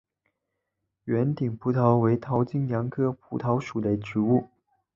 圆顶蒲桃为桃金娘科蒲桃属的植物。